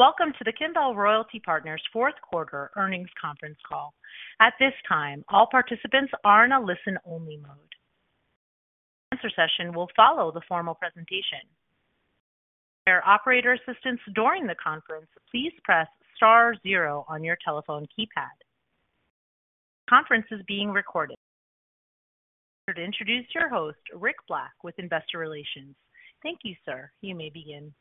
Welcome to the Kimbell Royalty Partners' fourth quarter earnings conference call. At this time, all participants are in a listen-only mode. The answer session will follow the formal presentation. For operator assistance during the conference, please press star zero on your telephone keypad. The conference is being recorded. I'd like to introduce your host, Rick Black, with investor relations. Thank you, sir. You may begin.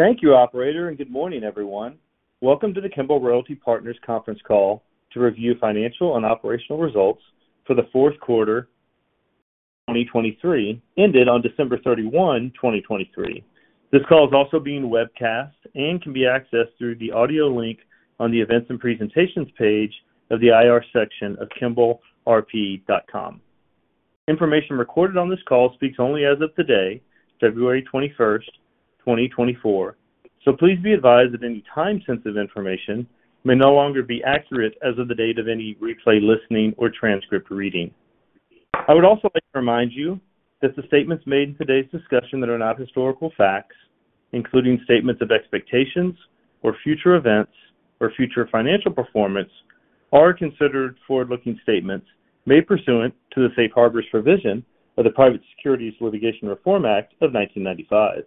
Thank you, operator, and good morning, everyone. Welcome to the Kimbell Royalty Partners' conference call to review financial and operational results for the fourth quarter 2023, ended on December 31, 2023. This call is also being webcast and can be accessed through the audio link on the events and presentations page of the IR section of kimbellrp.com. Information recorded on this call speaks only as of today, February 21, 2024, so please be advised that any time-sensitive information may no longer be accurate as of the date of any replay listening or transcript reading. I would also like to remind you that the statements made in today's discussion that are not historical facts, including statements of expectations or future events or future financial performance, are considered forward-looking statements made pursuant to the Safe Harbor Provision of the Private Securities Litigation Reform Act of 1995.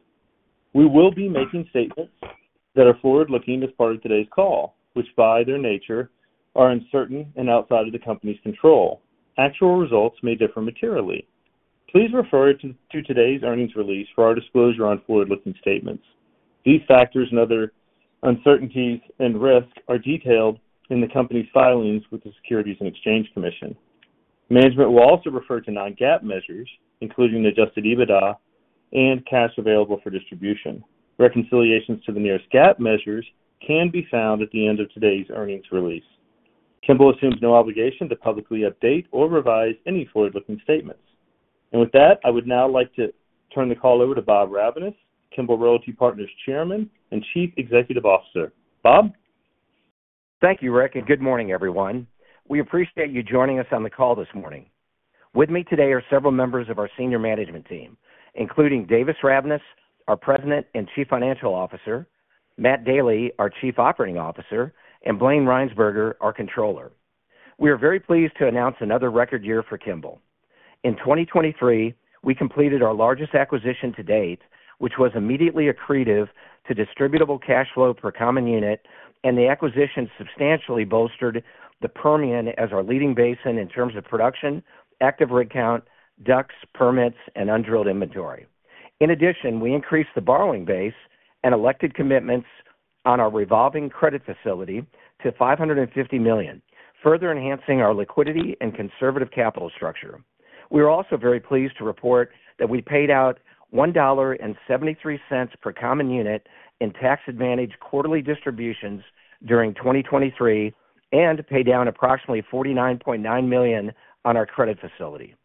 We will be making statements that are forward-looking as part of today's call, which by their nature are uncertain and outside of the company's control. Actual results may differ materially. Please refer to today's earnings release for our disclosure on forward-looking statements. These factors and other uncertainties and risk are detailed in the company's filings with the Securities and Exchange Commission. Management will also refer to non-GAAP measures, including the Adjusted EBITDA and Cash Available for Distribution. Reconciliations to the nearest GAAP measures can be found at the end of today's earnings release. Kimbell assumes no obligation to publicly update or revise any forward-looking statements. With that, I would now like to turn the call over to Bob Ravnaas, Kimbell Royalty Partners' Chairman and Chief Executive Officer. Bob? Thank you, Rick, and good morning, everyone. We appreciate you joining us on the call this morning. With me today are several members of our senior management team, including Davis Ravnaas, our president and chief financial officer; Matt Daly, our chief operating officer; and Blayne Rhynsburger, our controller. We are very pleased to announce another record year for Kimbell. In 2023, we completed our largest acquisition to date, which was immediately accretive to distributable cash flow per common unit, and the acquisition substantially bolstered the Permian as our leading basin in terms of production, active rig count, DUCs, permits, and un-drilled inventory. In addition, we increased the borrowing base and elected commitments on our revolving credit facility to $550 million, further enhancing our liquidity and conservative capital structure. We are also very pleased to report that we paid out $1.73 per common unit in tax-advantaged quarterly distributions during 2023 and paid down approximately $49.9 million on our credit facility.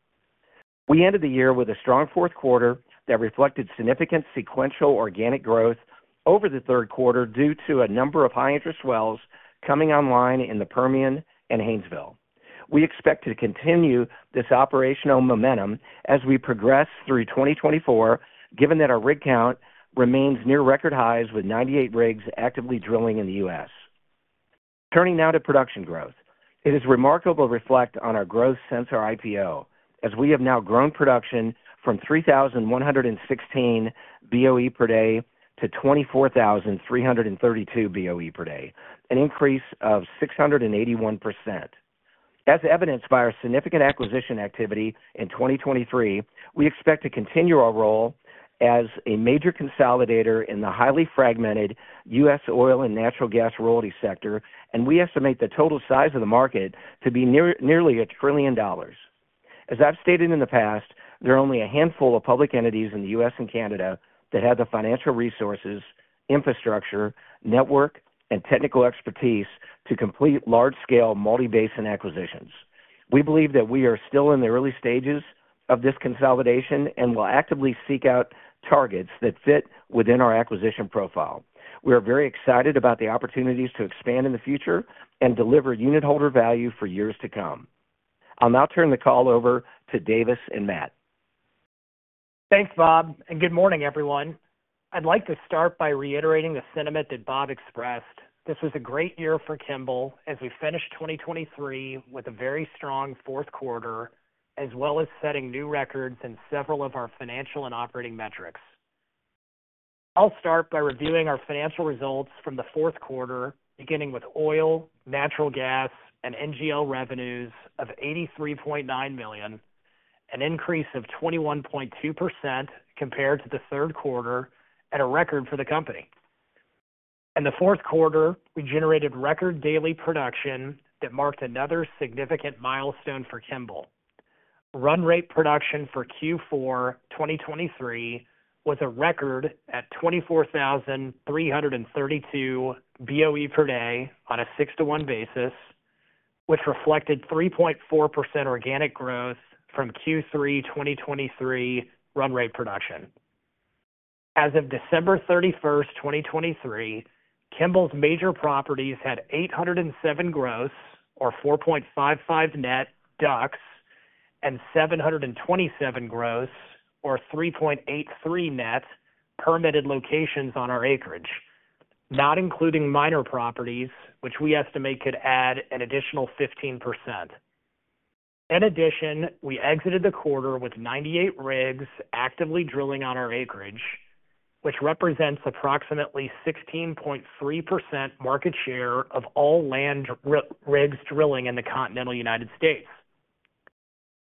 We ended the year with a strong fourth quarter that reflected significant sequential organic growth over the third quarter due to a number of high-interest wells coming online in the Permian and Haynesville. We expect to continue this operational momentum as we progress through 2024, given that our rig count remains near record highs with 98 rigs actively drilling in the U.S. Turning now to production growth. It is remarkable to reflect on our growth since our IPO, as we have now grown production from 3,116 BOE per day to 24,332 BOE per day, an increase of 681%. As evidenced by our significant acquisition activity in 2023, we expect to continue our role as a major consolidator in the highly fragmented U.S. oil and natural gas royalty sector, and we estimate the total size of the market to be nearly $1 trillion. As I've stated in the past, there are only a handful of public entities in the U.S. and Canada that have the financial resources, infrastructure, network, and technical expertise to complete large-scale multi-basin acquisitions. We believe that we are still in the early stages of this consolidation and will actively seek out targets that fit within our acquisition profile. We are very excited about the opportunities to expand in the future and deliver unitholder value for years to come. I'll now turn the call over to Davis and Matt. Thanks, Bob, and good morning, everyone. I'd like to start by reiterating the sentiment that Bob expressed. This was a great year for Kimbell as we finished 2023 with a very strong fourth quarter, as well as setting new records in several of our financial and operating metrics. I'll start by reviewing our financial results from the fourth quarter, beginning with oil, natural gas, and NGL revenues of $83.9 million, an increase of 21.2% compared to the third quarter and a record for the company. In the fourth quarter, we generated record daily production that marked another significant milestone for Kimbell. Run-rate production for Q4 2023 was a record at 24,332 BOE per day on a 6:1 basis, which reflected 3.4% organic growth from Q3 2023 run-rate production. As of December 31, 2023, Kimbell's major properties had 807 gross, or 4.55 net, DUCs and 727 gross, or 3.83 net, permitted locations on our acreage, not including minor properties, which we estimate could add an additional 15%. In addition, we exited the quarter with 98 rigs actively drilling on our acreage, which represents approximately 16.3% market share of all land rigs drilling in the continental United States.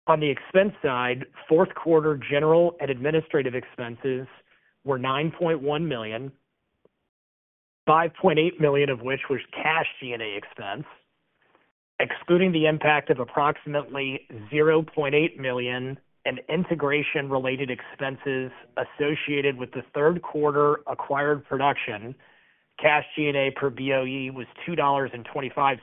On the expense side, fourth quarter general and administrative expenses were $9.1 million, $5.8 million of which was cash G&A expense, excluding the impact of approximately $0.8 million in integration-related expenses associated with the third quarter acquired production. Cash G&A per BOE was $2.25.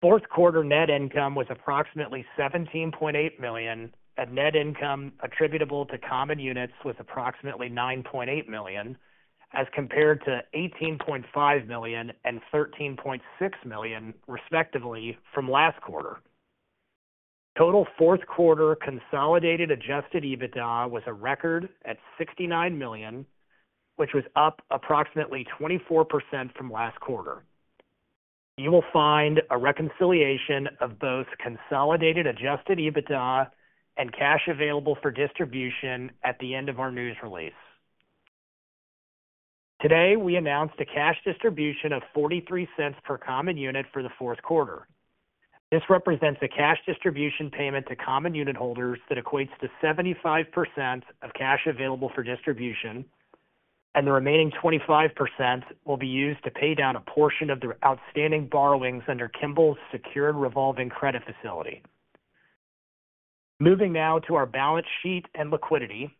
Fourth quarter net income was approximately $17.8 million, and net income attributable to common units was approximately $9.8 million as compared to $18.5 million and $13.6 million, respectively, from last quarter. Total fourth quarter consolidated Adjusted EBITDA was a record at $69 million, which was up approximately 24% from last quarter. You will find a reconciliation of both consolidated Adjusted EBITDA and Cash Available for Distribution at the end of our news release. Today, we announced a cash distribution of $0.43 per common unit for the fourth quarter. This represents a cash distribution payment to common unitholders that equates to 75% of Cash Available for Distribution, and the remaining 25% will be used to pay down a portion of the outstanding borrowings under Kimbell's secured revolving credit facility. Moving now to our balance sheet and liquidity.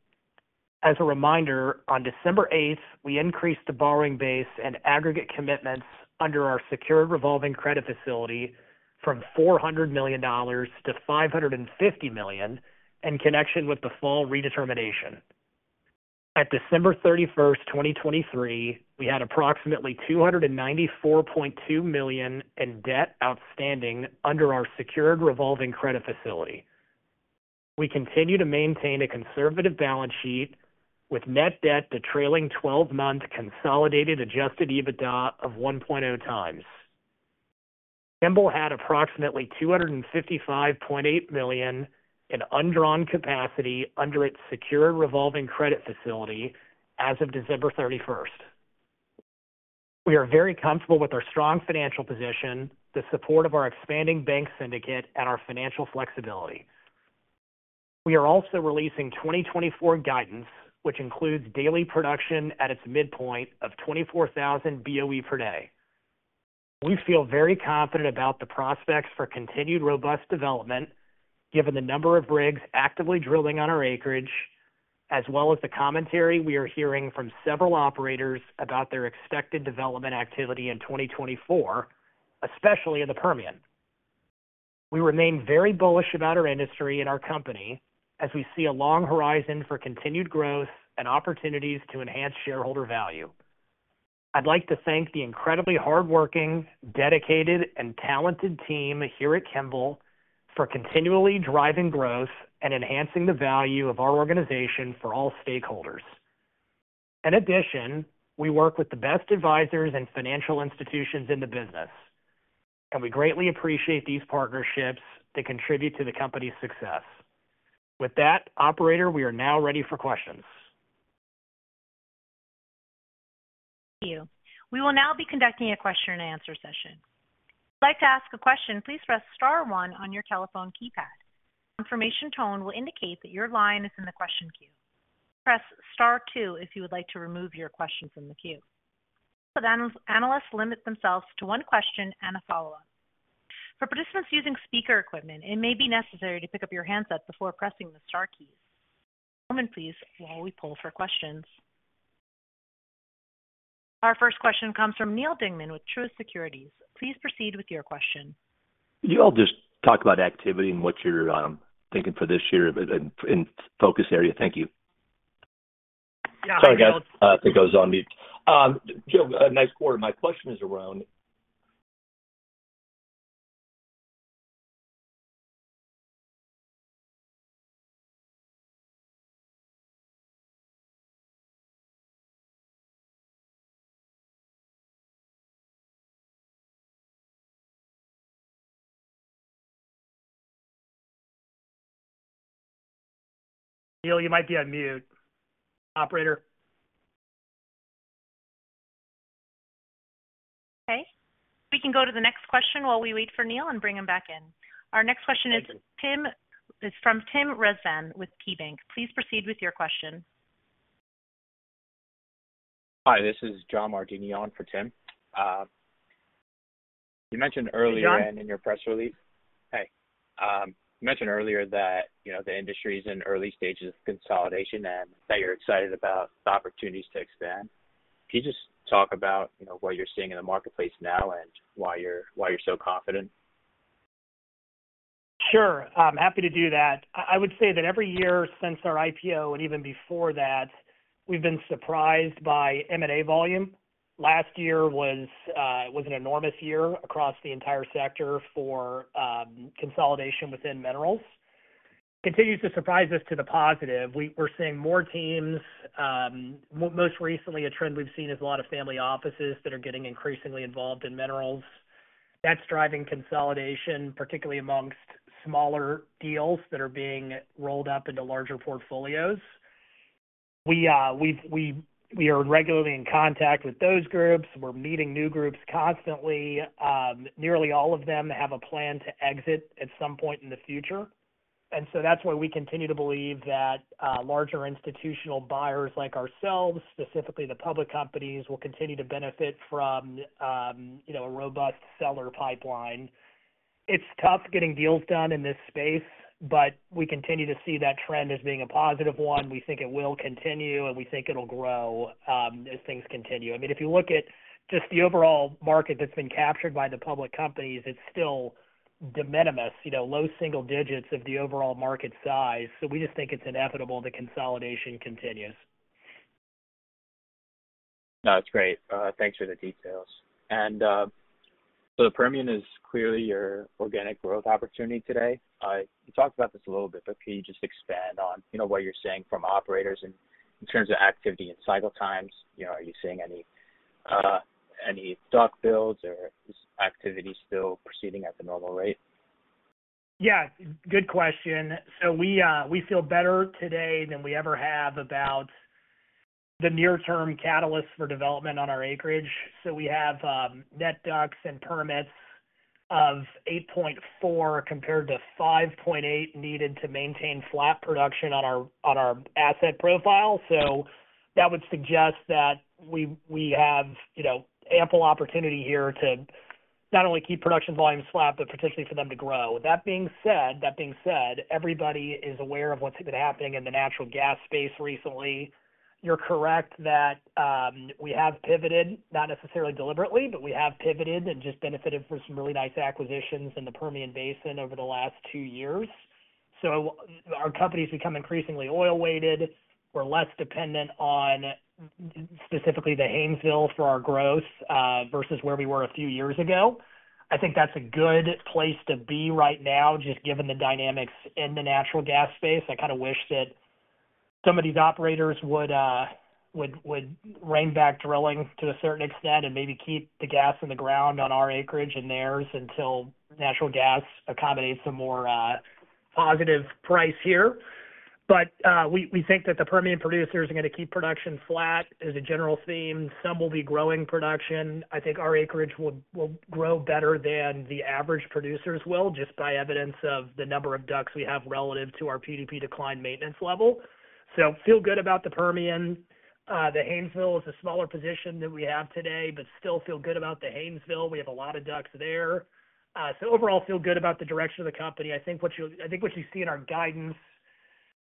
As a reminder, on December 8th, we increased the borrowing base and aggregate commitments under our secured revolving credit facility from $400 million to $550 million in connection with the fall redetermination. At December 31, 2023, we had approximately $294.2 million in debt outstanding under our secured revolving credit facility. We continue to maintain a conservative balance sheet with net debt to trailing 12-month consolidated Adjusted EBITDA of 1.0 times. Kimbell had approximately $255.8 million in undrawn capacity under its secured revolving credit facility as of December 31st. We are very comfortable with our strong financial position, the support of our expanding bank syndicate, and our financial flexibility. We are also releasing 2024 guidance, which includes daily production at its midpoint of 24,000 BOE per day. We feel very confident about the prospects for continued robust development, given the number of rigs actively drilling on our acreage, as well as the commentary we are hearing from several operators about their expected development activity in 2024, especially in the Permian. We remain very bullish about our industry and our company as we see a long horizon for continued growth and opportunities to enhance shareholder value. I'd like to thank the incredibly hardworking, dedicated, and talented team here at Kimbell for continually driving growth and enhancing the value of our organization for all stakeholders. In addition, we work with the best advisors and financial institutions in the business, and we greatly appreciate these partnerships that contribute to the company's success. With that, operator, we are now ready for questions. Thank you. We will now be conducting a question-and-answer session. If you'd like to ask a question, please press star one on your telephone keypad. Confirmation tone will indicate that your line is in the question queue. Press star two if you would like to remove your question from the queue. Analysts limit themselves to one question and a follow-up. For participants using speaker equipment, it may be necessary to pick up your handset before pressing the star keys. One moment, please, while we pull for questions. Our first question comes from Neal Dingmann with Truist Securities. Please proceed with your question. You all just talk about activity and what you're thinking for this year and focus area. Thank you. Sorry, guys. I think I was on mute. Joe, nice quarter. My question is around. Neal, you might be on mute. Operator. Okay. We can go to the next question while we wait for Neal and bring him back in. Our next question is from Tim Rezvan with KeyBanc Capital Markets. Please proceed with your question. Hi, this is John Martin for Tim. You mentioned earlier in your press release. John? Hey. You mentioned earlier that the industry is in early stages of consolidation and that you're excited about the opportunities to expand. Can you just talk about what you're seeing in the marketplace now and why you're so confident? Sure. Happy to do that. I would say that every year since our IPO and even before that, we've been surprised by M&A volume. Last year was an enormous year across the entire sector for consolidation within minerals. Continues to surprise us to the positive. We're seeing more teams. Most recently, a trend we've seen is a lot of family offices that are getting increasingly involved in minerals. That's driving consolidation, particularly amongst smaller deals that are being rolled up into larger portfolios. We are regularly in contact with those groups. We're meeting new groups constantly. Nearly all of them have a plan to exit at some point in the future. And so that's why we continue to believe that larger institutional buyers like ourselves, specifically the public companies, will continue to benefit from a robust seller pipeline. It's tough getting deals done in this space, but we continue to see that trend as being a positive one. We think it will continue, and we think it'll grow as things continue. I mean, if you look at just the overall market that's been captured by the public companies, it's still de minimis, low single digits of the overall market size. So we just think it's inevitable that consolidation continues. No, that's great. Thanks for the details. And so the Permian is clearly your organic growth opportunity today. You talked about this a little bit, but can you just expand on what you're seeing from operators in terms of activity and cycle times? Are you seeing any DUC builds, or is activity still proceeding at the normal rate? Yeah, good question. So we feel better today than we ever have about the near-term catalysts for development on our acreage. So we have net DUCs and permits of 8.4 compared to 5.8 needed to maintain flat production on our asset profile. So that would suggest that we have ample opportunity here to not only keep production volumes flat, but potentially for them to grow. That being said, everybody is aware of what's been happening in the natural gas space recently. You're correct that we have pivoted, not necessarily deliberately, but we have pivoted and just benefited from some really nice acquisitions in the Permian Basin over the last two years. So our company's become increasingly oil-weighted. We're less dependent on specifically the Haynesville for our growth versus where we were a few years ago. I think that's a good place to be right now, just given the dynamics in the natural gas space. I kind of wish that some of these operators would rein back drilling to a certain extent and maybe keep the gas in the ground on our acreage and theirs until natural gas accommodates a more positive price here. But we think that the Permian producers are going to keep production flat is a general theme. Some will be growing production. I think our acreage will grow better than the average producers will, just by evidence of the number of DUCs we have relative to our PDP decline maintenance level. So feel good about the Permian. The Haynesville is a smaller position that we have today, but still feel good about the Haynesville. We have a lot of DUCs there. So overall, feel good about the direction of the company. I think what you see in our guidance,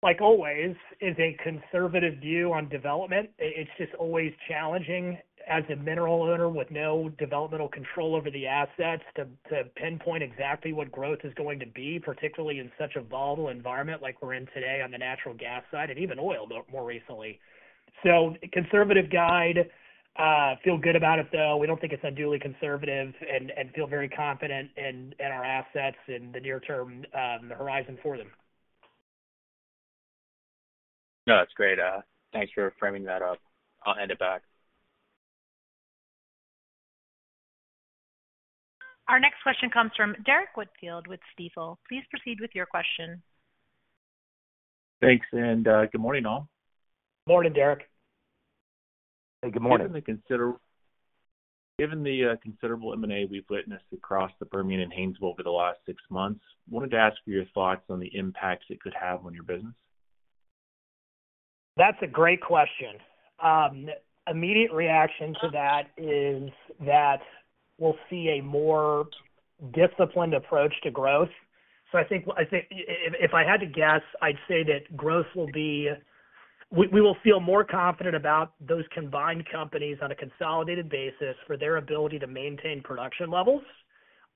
like always, is a conservative view on development. It's just always challenging as a mineral owner with no developmental control over the assets to pinpoint exactly what growth is going to be, particularly in such a volatile environment like we're in today on the natural gas side and even oil more recently. So, conservative guide. Feel good about it, though. We don't think it's unduly conservative. And feel very confident in our assets and the near-term horizon for them. No, that's great. Thanks for framing that up. I'll hand it back. Our next question comes from Derrick Whitfield with Stifel. Please proceed with your question. Thanks, and good morning, all. Morning, Derrick. Hey, good morning. Given the considerable M&A we've witnessed across the Permian and Haynesville over the last six months, wanted to ask for your thoughts on the impacts it could have on your business. That's a great question. Immediate reaction to that is that we'll see a more disciplined approach to growth. So I think if I had to guess, I'd say that growth will be we will feel more confident about those combined companies on a consolidated basis for their ability to maintain production levels.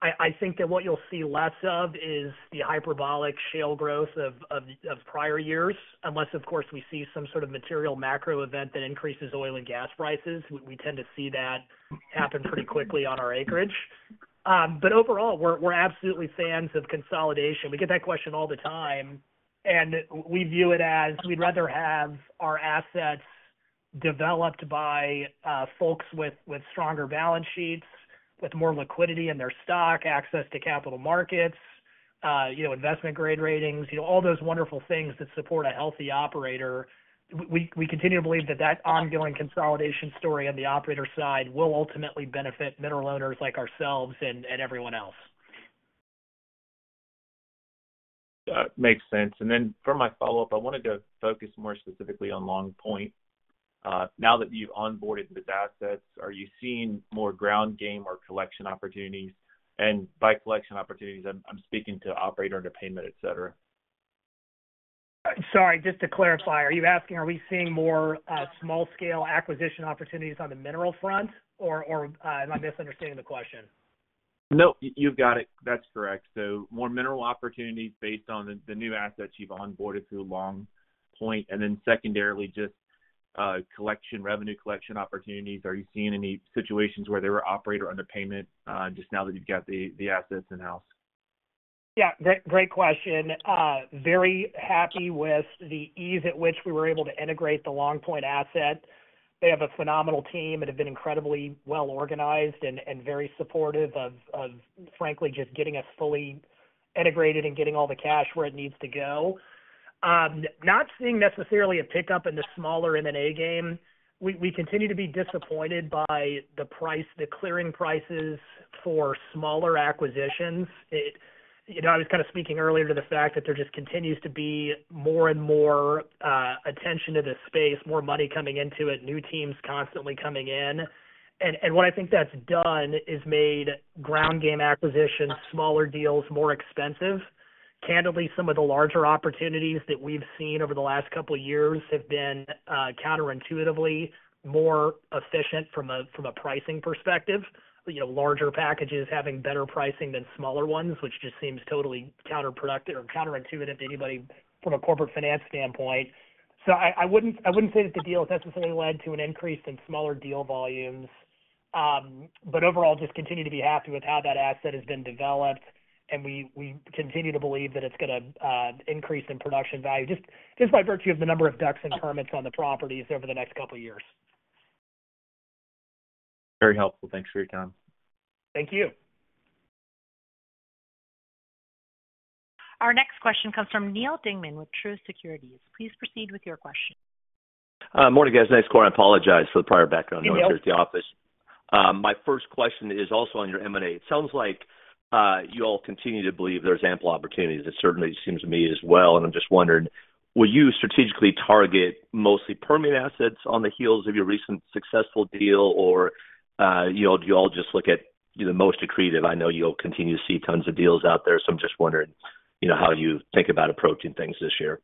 I think that what you'll see less of is the hyperbolic shale growth of prior years, unless, of course, we see some sort of material macro event that increases oil and gas prices. We tend to see that happen pretty quickly on our acreage. But overall, we're absolutely fans of consolidation. We get that question all the time. And we view it as we'd rather have our assets developed by folks with stronger balance sheets, with more liquidity in their stock, access to capital markets, investment-grade ratings, all those wonderful things that support a healthy operator. We continue to believe that ongoing consolidation story on the operator side will ultimately benefit mineral owners like ourselves and everyone else. That makes sense. And then for my follow-up, I wanted to focus more specifically on Long Point. Now that you've onboarded these assets, are you seeing more ground game or collection opportunities? And by collection opportunities, I'm speaking to operator underpayment, etc. Sorry, just to clarify, are you asking, are we seeing more small-scale acquisition opportunities on the mineral front, or am I misunderstanding the question? No, you've got it. That's correct. So more mineral opportunities based on the new assets you've onboarded through Long Point, and then secondarily, just revenue collection opportunities. Are you seeing any situations where they were operator underpayment just now that you've got the assets in-house? Yeah, great question. Very happy with the ease at which we were able to integrate the Long Point asset. They have a phenomenal team. It had been incredibly well-organized and very supportive of, frankly, just getting us fully integrated and getting all the cash where it needs to go. Not seeing necessarily a pickup in the smaller M&A game. We continue to be disappointed by the clearing prices for smaller acquisitions. I was kind of speaking earlier to the fact that there just continues to be more and more attention to this space, more money coming into it, new teams constantly coming in. And what I think that's done is made ground game acquisitions, smaller deals, more expensive. Candidly, some of the larger opportunities that we've seen over the last couple of years have been counterintuitively more efficient from a pricing perspective, larger packages having better pricing than smaller ones, which just seems totally counterintuitive to anybody from a corporate finance standpoint. So I wouldn't say that the deal has necessarily led to an increase in smaller deal volumes. But overall, just continue to be happy with how that asset has been developed. And we continue to believe that it's going to increase in production value just by virtue of the number of DUCs and permits on the properties over the next couple of years. Very helpful. Thanks for your time. Thank you. Our next question comes from Neal Dingmann with Truist Securities. Please proceed with your question. Morning, guys. Nice quarter. I apologize for the prior background noise here at the office. My first question is also on your M&A. It sounds like you all continue to believe there's ample opportunities. It certainly seems to me as well. I'm just wondering, will you strategically target mostly Permian assets on the heels of your recent successful deal, or do you all just look at the most accretive? I know you'll continue to see tons of deals out there. I'm just wondering how you think about approaching things this year.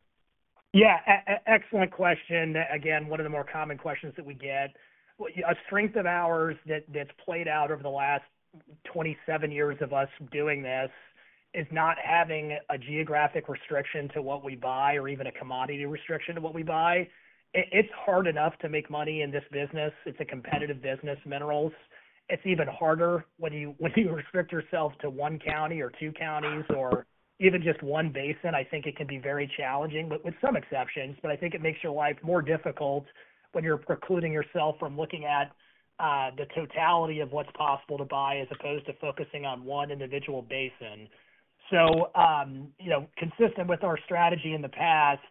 Yeah, excellent question. Again, one of the more common questions that we get. A strength of ours that's played out over the last 27 years of us doing this is not having a geographic restriction to what we buy or even a commodity restriction to what we buy. It's hard enough to make money in this business. It's a competitive business, minerals. It's even harder when you restrict yourself to one county or two counties or even just one basin. I think it can be very challenging, with some exceptions. But I think it makes your life more difficult when you're precluding yourself from looking at the totality of what's possible to buy as opposed to focusing on one individual basin. So consistent with our strategy in the past,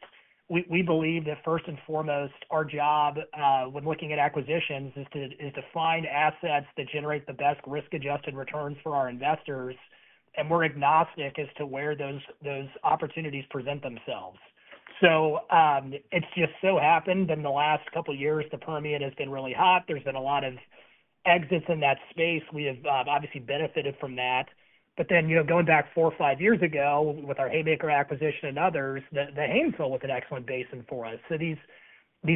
we believe that first and foremost, our job when looking at acquisitions is to find assets that generate the best risk-adjusted returns for our investors. And we're agnostic as to where those opportunities present themselves. So it's just so happened in the last couple of years, the Permian has been really hot. There's been a lot of exits in that space. We have obviously benefited from that. But then going back four or five years ago with our Haymaker acquisition and others, the Haynesville was an excellent basin for us. So these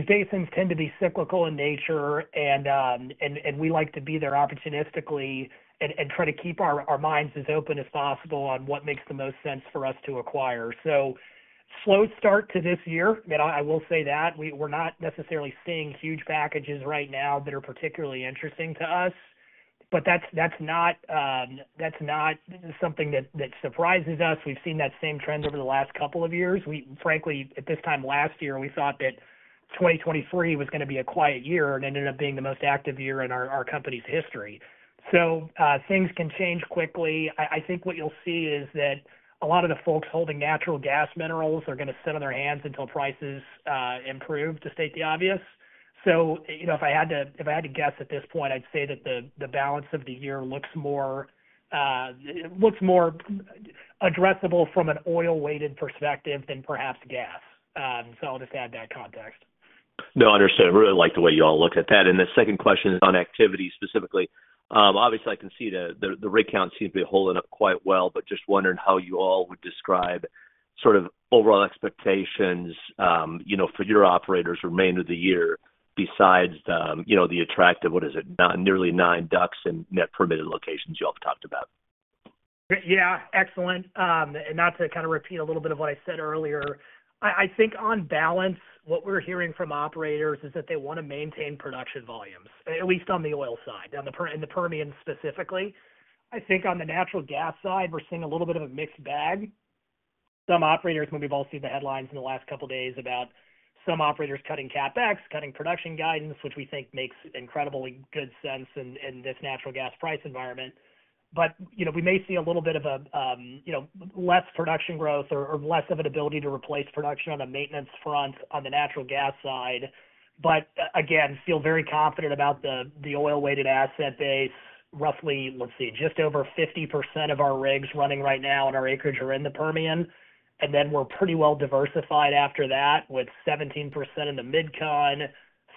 basins tend to be cyclical in nature. And we like to be there opportunistically and try to keep our minds as open as possible on what makes the most sense for us to acquire. So slow start to this year. I mean, I will say that. We're not necessarily seeing huge packages right now that are particularly interesting to us. But that's not something that surprises us. We've seen that same trend over the last couple of years. Frankly, at this time last year, we thought that 2023 was going to be a quiet year and ended up being the most active year in our company's history. So things can change quickly. I think what you'll see is that a lot of the folks holding natural gas minerals are going to sit on their hands until prices improve, to state the obvious. So if I had to guess at this point, I'd say that the balance of the year looks more addressable from an oil-weighted perspective than perhaps gas. So I'll just add that context. No, understood. Really like the way you all look at that. The second question is on activity specifically. Obviously, I can see the rig count seems to be holding up quite well, but just wondering how you all would describe sort of overall expectations for your operators remainder of the year besides the attractive, what is it, nearly nine DUCs in net permitted locations you all have talked about. Yeah, excellent. And not to kind of repeat a little bit of what I said earlier, I think on balance, what we're hearing from operators is that they want to maintain production volumes, at least on the oil side, in the Permian specifically. I think on the natural gas side, we're seeing a little bit of a mixed bag. Some operators, and we've all seen the headlines in the last couple of days about some operators cutting CapEx, cutting production guidance, which we think makes incredibly good sense in this natural gas price environment. But we may see a little bit of less production growth or less of an ability to replace production on the maintenance front on the natural gas side. But again, feel very confident about the oil-weighted asset base. Roughly, let's see, just over 50% of our rigs running right now on our acreage are in the Permian. And then we're pretty well diversified after that with 17% in the Mid-Con,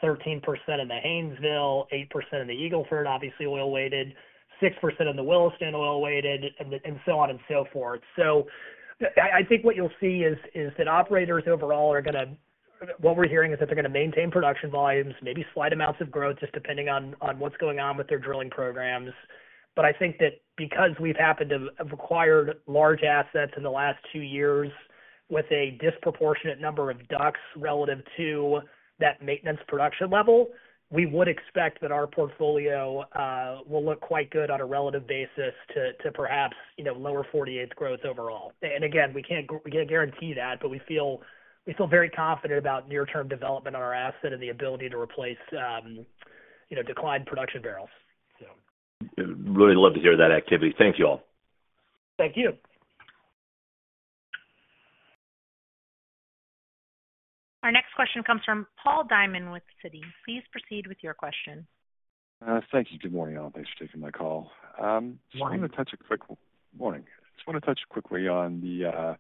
13% in the Haynesville, 8% in the Eagle Ford, obviously oil-weighted, 6% in the Williston oil-weighted, and so on and so forth. So I think what you'll see is that operators overall are going to what we're hearing is that they're going to maintain production volumes, maybe slight amounts of growth just depending on what's going on with their drilling programs. But I think that because we've happened to have acquired large assets in the last two years with a disproportionate number of DUCs relative to that maintenance production level, we would expect that our portfolio will look quite good on a relative basis to perhaps Lower 48 growth overall. And again, we can't guarantee that, but we feel very confident about near-term development on our asset and the ability to replace declined production barrels, so. Really love to hear that activity. Thanks, y'all. Thank you. Our next question comes from Paul Diamond with Citi. Please proceed with your question. Thank you. Good morning, all. Thanks for taking my call. I just wanted to touch a quick way on kind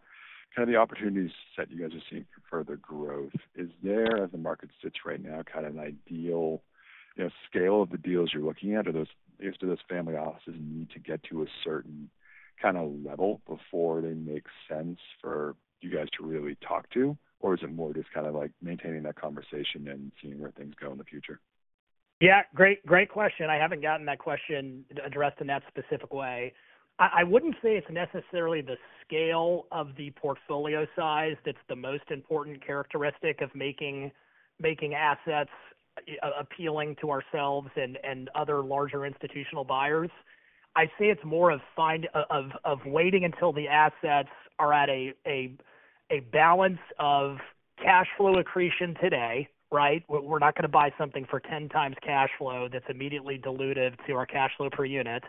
of the opportunities that you guys are seeing for further growth. Is there, as the market sits right now, kind of an ideal scale of the deals you're looking at? Do those family offices need to get to a certain kind of level before they make sense for you guys to really talk to? Or is it more just kind of maintaining that conversation and seeing where things go in the future? Yeah, great question. I haven't gotten that question addressed in that specific way. I wouldn't say it's necessarily the scale of the portfolio size that's the most important characteristic of making assets appealing to ourselves and other larger institutional buyers. I say it's more of waiting until the assets are at a balance of cash flow accretion today, right? We're not going to buy something for 10x cash flow that's immediately dilutive to our cash flow per unit.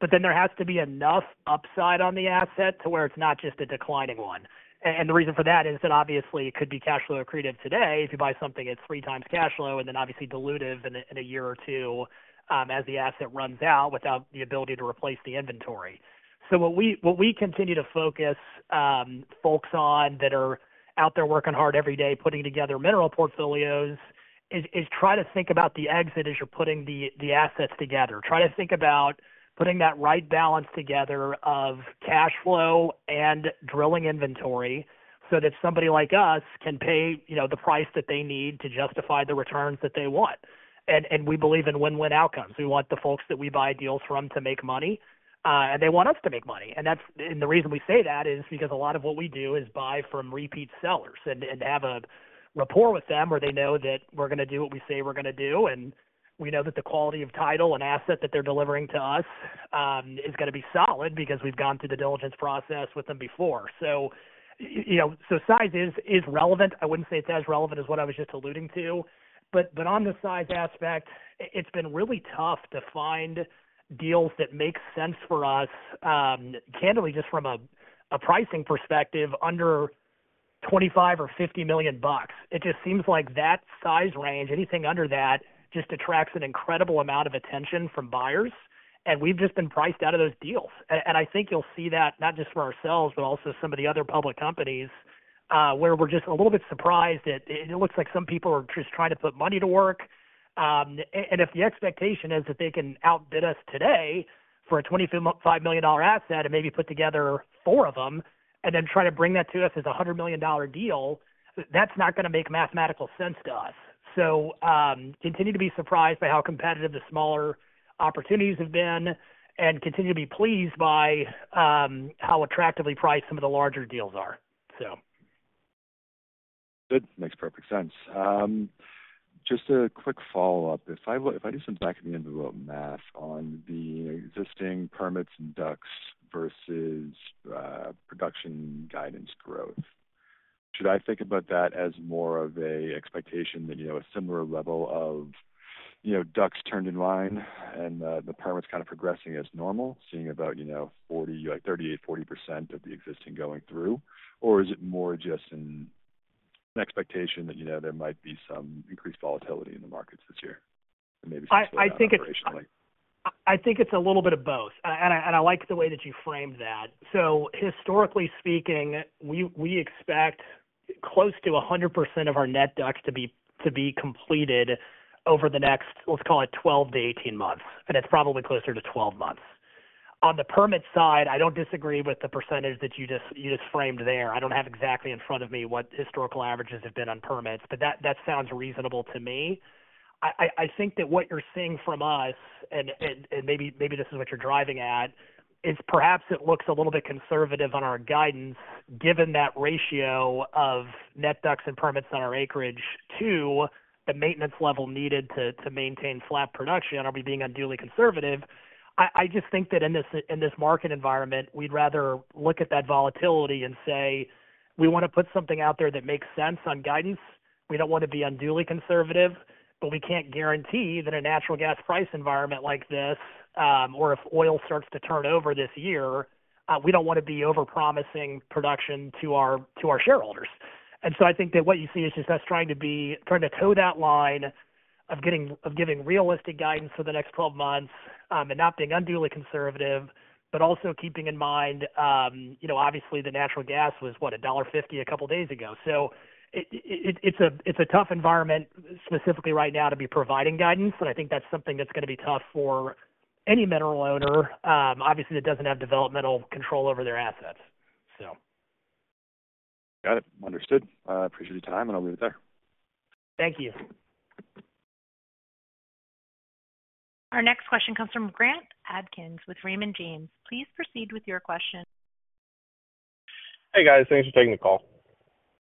But then there has to be enough upside on the asset to where it's not just a declining one. And the reason for that is that obviously, it could be cash flow accretive today if you buy something at 3x cash flow and then obviously dilutive in a year or two as the asset runs out without the ability to replace the inventory. What we continue to focus folks on that are out there working hard every day, putting together mineral portfolios, is try to think about the exit as you're putting the assets together. Try to think about putting that right balance together of cash flow and drilling inventory so that somebody like us can pay the price that they need to justify the returns that they want. We believe in win-win outcomes. We want the folks that we buy deals from to make money. They want us to make money. The reason we say that is because a lot of what we do is buy from repeat sellers and have a rapport with them where they know that we're going to do what we say we're going to do. We know that the quality of title and asset that they're delivering to us is going to be solid because we've gone through the diligence process with them before. Size is relevant. I wouldn't say it's as relevant as what I was just alluding to. On the size aspect, it's been really tough to find deals that make sense for us, candidly, just from a pricing perspective, under $25 million or $50 million. It just seems like that size range, anything under that, just attracts an incredible amount of attention from buyers. We've just been priced out of those deals. I think you'll see that not just for ourselves, but also some of the other public companies where we're just a little bit surprised that it looks like some people are just trying to put money to work. If the expectation is that they can outbid us today for a $25 million asset and maybe put together four of them and then try to bring that to us as a $100 million deal, that's not going to make mathematical sense to us. Continue to be surprised by how competitive the smaller opportunities have been and continue to be pleased by how attractively priced some of the larger deals are, so. Good. Makes perfect sense. Just a quick follow-up. If I do some back-of-the-envelope math on the existing permits and DUCs versus production guidance growth, should I think about that as more of an expectation that a similar level of DUCs turned in line and the permits kind of progressing as normal, seeing about 38%-40% of the existing going through? Or is it more just an expectation that there might be some increased volatility in the markets this year and maybe some slowdown operationally? I think it's a little bit of both. I like the way that you framed that. So historically speaking, we expect close to 100% of our net DUCs to be completed over the next, let's call it, 12-18 months. And it's probably closer to 12 months. On the permit side, I don't disagree with the percentage that you just framed there. I don't have exactly in front of me what historical averages have been on permits, but that sounds reasonable to me. I think that what you're seeing from us, and maybe this is what you're driving at, is perhaps it looks a little bit conservative on our guidance given that ratio of net DUCs and permits on our acreage to the maintenance level needed to maintain flat production. Are we being unduly conservative? I just think that in this market environment, we'd rather look at that volatility and say, "We want to put something out there that makes sense on guidance. We don't want to be unduly conservative. But we can't guarantee that a natural gas price environment like this or if oil starts to turn over this year, we don't want to be overpromising production to our shareholders." And so I think that what you see is just us trying to toe that line of giving realistic guidance for the next 12 months and not being unduly conservative, but also keeping in mind, obviously, the natural gas was, what, $1.50 a couple of days ago. So it's a tough environment specifically right now to be providing guidance. And I think that's something that's going to be tough for any mineral owner. Obviously, that doesn't have developmental control over their assets, so. Got it. Understood. I appreciate your time, and I'll leave it there. Thank you. Our next question comes from Grant Adkins with Raymond James. Please proceed with your question. Hey, guys. Thanks for taking the call.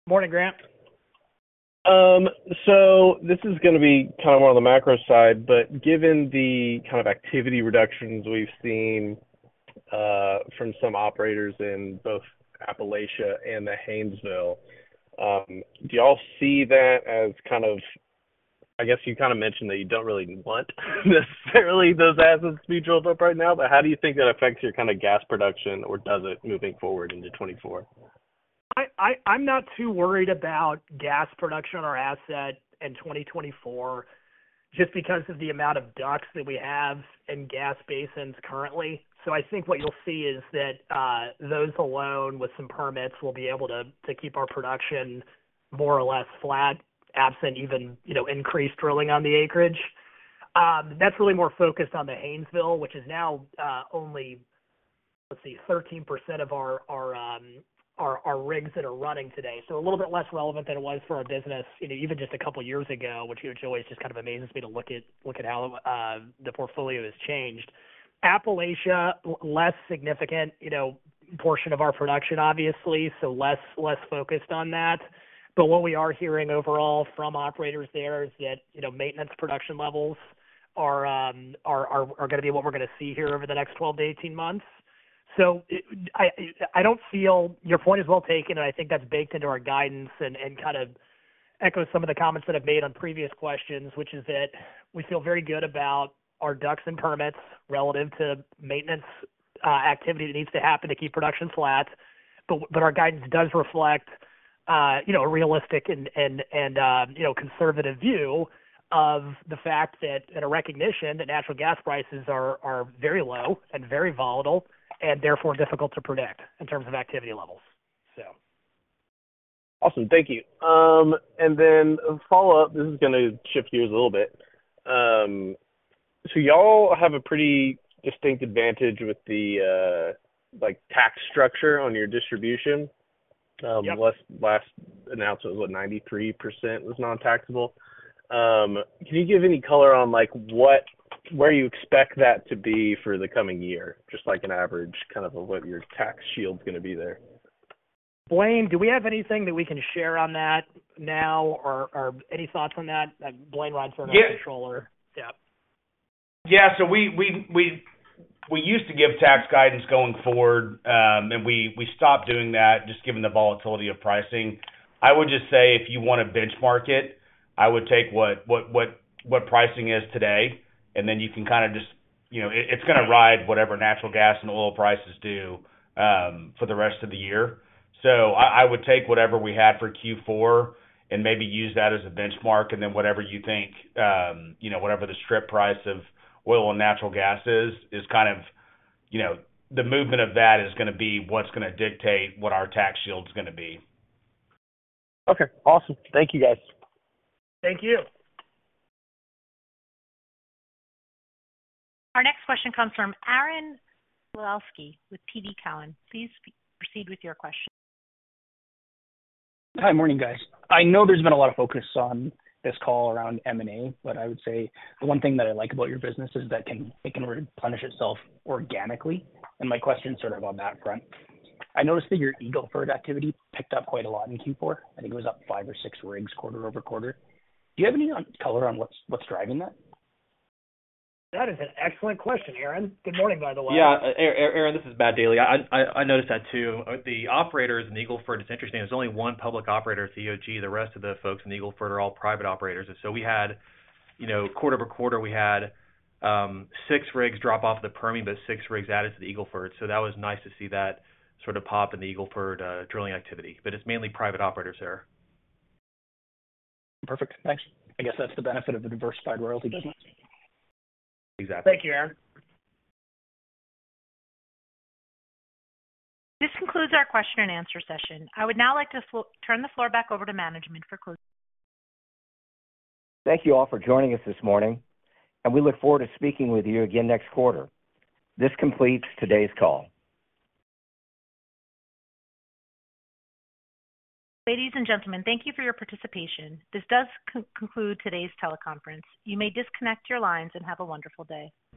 Morning, Grant. This is going to be kind of more on the macro side, but given the kind of activity reductions we've seen from some operators in both Appalachia and the Haynesville, do you all see that as kind of I guess you kind of mentioned that you don't really want necessarily those assets to be drilled up right now, but how do you think that affects your kind of gas production or does it moving forward into 2024? I'm not too worried about gas production on our asset in 2024 just because of the amount of DUCs that we have and gas basins currently. So I think what you'll see is that those alone with some permits will be able to keep our production more or less flat, absent even increased drilling on the acreage. That's really more focused on the Haynesville, which is now only, let's see, 13% of our rigs that are running today. So a little bit less relevant than it was for our business even just a couple of years ago, which always just kind of amazes me to look at how the portfolio has changed. Appalachia, less significant portion of our production, obviously, so less focused on that. But what we are hearing overall from operators there is that maintenance production levels are going to be what we're going to see here over the next 12-18 months. So I don't feel your point is well taken, and I think that's baked into our guidance and kind of echoes some of the comments that I've made on previous questions, which is that we feel very good about our DUCs and permits relative to maintenance activity that needs to happen to keep production flat. But our guidance does reflect a realistic and conservative view of the fact that and a recognition that natural gas prices are very low and very volatile and therefore difficult to predict in terms of activity levels, so. Awesome. Thank you. And then, follow-up, this is going to shift gears a little bit. So y'all have a pretty distinct advantage with the tax structure on your distribution. Last announcement was, what, 93% was non-taxable. Can you give any color on where you expect that to be for the coming year, just an average kind of what your tax shield's going to be there? Blayne, do we have anything that we can share on that now or any thoughts on that? Blayne Rhynsburger, Controller. Yep. Yeah. So we used to give tax guidance going forward, and we stopped doing that just given the volatility of pricing. I would just say if you want to benchmark it, I would take what pricing is today, and then you can kind of just. It's going to ride whatever natural gas and oil prices do for the rest of the year. So I would take whatever we had for Q4 and maybe use that as a benchmark, and then whatever you think whatever the strip price of oil and natural gas is, is kind of the movement of that is going to be what's going to dictate what our tax shield's going to be. Okay. Awesome. Thank you, guys. Thank you. Our next question comes from Aaron Bilkoski with TD Cowen. Please proceed with your question. Hi. Morning, guys. I know there's been a lot of focus on this call around M&A, but I would say the one thing that I like about your business is that it can replenish itself organically. My question's sort of on that front. I noticed that your Eagle Ford activity picked up quite a lot in Q4. I think it was up 5 or 6 rigs quarter-over-quarter. Do you have any color on what's driving that? That is an excellent question, Aaron. Good morning, by the way. Yeah. Aaron, this is Matt Daly. I noticed that too. The operators in the Eagle Ford, it's interesting. There's only one public operator, EOG. The rest of the folks in the Eagle Ford are all private operators. And so we had quarter-over-quarter, we had six rigs drop off the Permian, but six rigs added to the Eagle Ford. So that was nice to see that sort of pop in the Eagle Ford drilling activity. But it's mainly private operators there. Perfect. Thanks. I guess that's the benefit of a diversified royalty business. Exactly. Thank you, Aaron. This concludes our question-and-answer session. I would now like to turn the floor back over to management for closing. Thank you all for joining us this morning, and we look forward to speaking with you again next quarter. This completes today's call. Ladies and gentlemen, thank you for your participation. This does conclude today's teleconference. You may disconnect your lines and have a wonderful day.